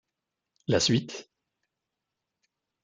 La suite...